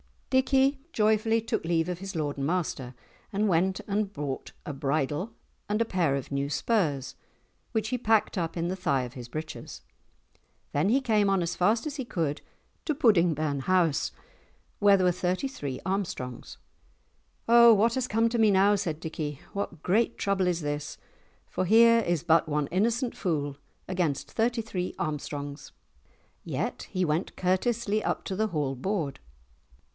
Dickie joyfully took leave of his lord and master, and went and bought a bridle and a pair of new spurs which he packed up in the thigh of his breeches, then he came on as fast as he could to Pudding burn house, where were thirty three Armstrongs. "O what has come to me now?" said Dickie, "what great trouble is this? For here is but one innocent fool against thirty three Armstrongs?" Yet he went courteously up to the Hall board.